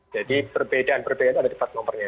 jadi perbedaan perbedaan ada di plat nomornya